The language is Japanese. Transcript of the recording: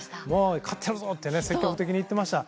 勝ってやるぞ！って積極的にいっていました。